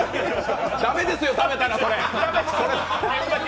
駄目ですよ、食べたら！